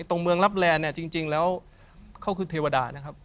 ตรงเมืองรับแลนเนี่ยจริงแล้วเขาคือเทวดานะครับ